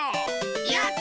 やった！